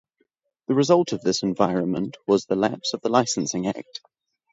The result of this environment was the lapse of the Licensing Act.